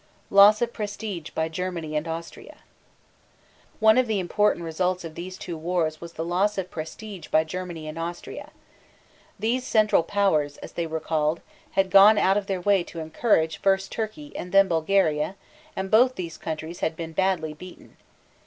LOSS OF PRESTIGE BY GERMANY AND AUSTRIA. One of the important results of these two wars was the loss of prestige by Germany and Austria. These "Central Powers," as they were called, had gone out of their way to encourage first Turkey, and then Bulgaria, and both these countries had been badly beaten.